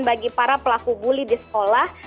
bagi para pelaku bully di sekolah